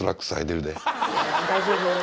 大丈夫？